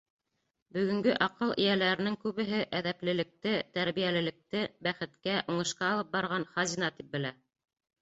Бөгөнгө аҡыл эйәләренең күбеһе әҙәплелекте, тәрбиәлелекте бәхеткә, уңышҡа алып барған хазина тип белә.